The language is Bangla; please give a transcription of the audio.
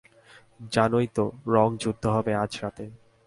জানোই তো, রঙ যুদ্ধ হবে আজ রাতে।